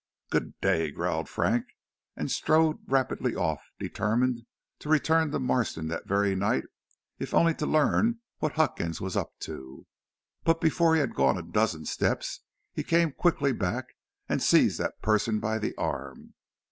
"Good day," growled Frank, and strode rapidly off, determined to return to Marston that very night if only to learn what Huckins was up to. But before he had gone a dozen steps he came quickly back and seized that person by the arm.